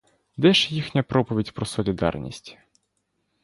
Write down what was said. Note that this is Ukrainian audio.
Де ж їхня проповідь про солідарність?